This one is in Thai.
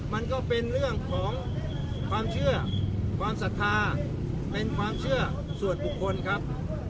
มันก็เป็นเรื่องของความเชื่อความศรัทธาเป็นความเชื่อส่วนบุคคลครับ